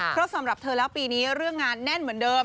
เพราะสำหรับเธอแล้วปีนี้เรื่องงานแน่นเหมือนเดิม